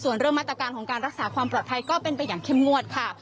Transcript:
ส่วนเรื่องมาตรการของการรักษาความปลอดภัยก็เป็นไปอย่างเข้มงวดค่ะ